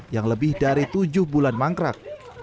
yang lebih dari tujuh bulan mangkrak